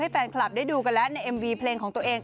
แฟนคลับได้ดูกันแล้วในเอ็มวีเพลงของตัวเอง